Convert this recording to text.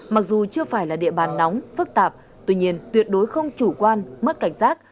mặc dù chưa phải là địa bàn nóng phức tạp tuy nhiên tuyệt đối không chủ quan mất cảnh giác